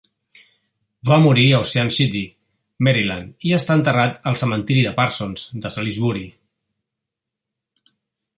Va morir a Ocean City, Maryland, i està enterrat al cementiri de Parsons, de Salisbury.